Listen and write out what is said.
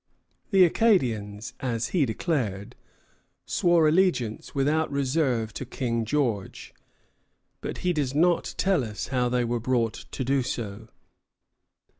The Acadians, as he declared, swore allegiance without reserve to King George; but he does not tell us how they were brought to do so.